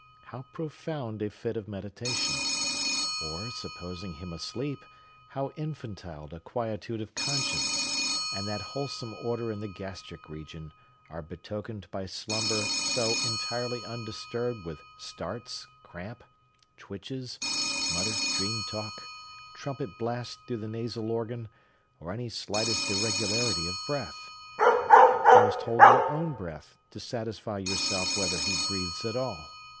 How profound a fit of meditation! Or, supposing him asleep, how infantile a quietude of conscience, and what wholesome order in the gastric region, are betokened by slumber so entirely undisturbed with starts, cramp, twitches, muttered dreamtalk, trumpet blasts through the nasal organ, or any slightest irregularity of breath! You must hold your own breath, to satisfy yourself whether he breathes at all.